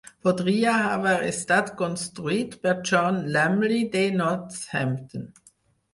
Podria haver estat construït per John Lumley, de Northampton.